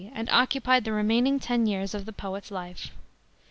and occupied the remaining ten years of the poet's life.